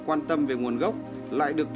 giá nào cũng làm được